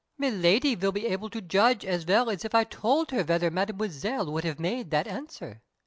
"Miladi will be able to judge as well as if I told her whether Mademoiselle would have made that answer."